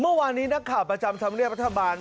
เมื่อวานนี้นะคะประจำทำเลียพัทธ์ฐาบาล